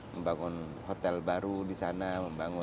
membangun hotel baru di sana membangun